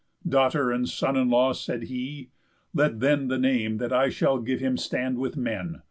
"Daughter and son in law," said he, "let then The name that I shall give him stand with men.